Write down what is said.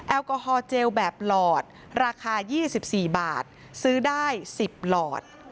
แอลกอฮอลเจลแบบหลอดราคา๒๔บาทซื้อได้๑๐หลอด